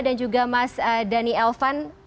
dan juga mas dani elvan